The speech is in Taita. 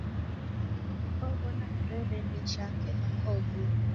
Waw'ona kirerende chake na ukaobua.